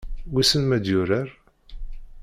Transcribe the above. Wissen ma ad yurar?